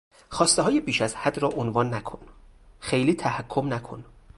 خواستههای بیش از حد را عنوان نکن!، خیلی تحکم نکن!